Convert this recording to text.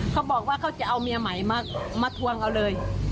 เขาบอกว่าเขาจะเอาเมียใหม่มาทวงเอาเลย